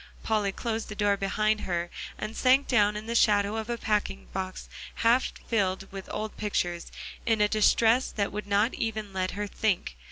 Polly closed the door behind her, and sank down in the shadow of a packing box half filled with old pictures, in a distress that would not even let her think.